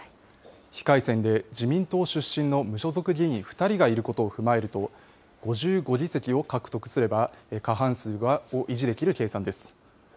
非改選で自民党出身の無所属議員２人がいることを踏まえると、５５議席を獲得すれば、過半数を維持できる計算です。